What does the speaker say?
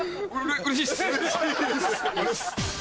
うれしいです。